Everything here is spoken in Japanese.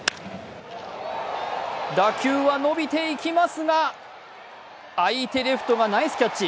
打球は伸びていきますが相手レフトがナイスキャッチ。